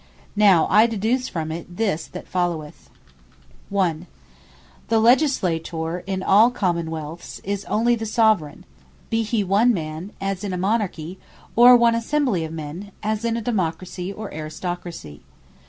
Now I deduce from it this that followeth. The Soveraign Is Legislator 1. The Legislator in all Common wealths, is only the Soveraign, be he one Man, as in a Monarchy, or one Assembly of men, as in a Democracy, or Aristocracy.